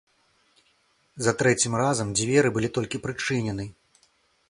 За трэцім разам дзверы былі толькі прычынены.